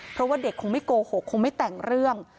เพราะว่าเด็กคงไม่โกหกคงไม่แต่งเรื่อง